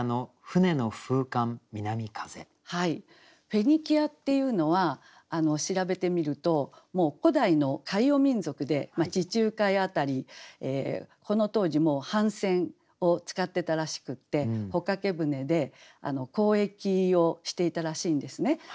「フェニキア」っていうのは調べてみると古代の海洋民族で地中海辺りこの当時もう帆船を使ってたらしくって帆掛け舟で交易をしていたらしいんですね。